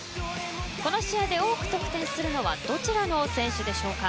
この試合で多く得点するのはどちらの選手でしょうか？